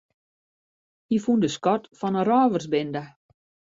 Hy fûn de skat fan in rôversbinde.